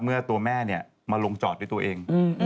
เมื่อตัวแม่มาลงจอดด้วยตัวเอง